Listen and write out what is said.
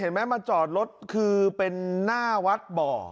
เห็นไหมอะมาจอดรถคือเป็นหน้าวัดบ่อ